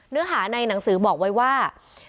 เนื้อหาในหนังสือบอกไว้ว่า